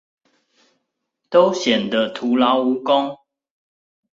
都顯得徒勞無功